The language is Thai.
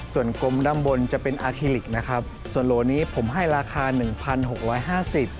ส่วนกลมด้านบนจะเป็นอาคิลิกนะครับส่วนโลกนี้ผมให้ราคา๑๖๕๐บาท